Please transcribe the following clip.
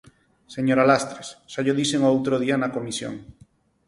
Señora Lastres, xa llo dixen o outro día na Comisión.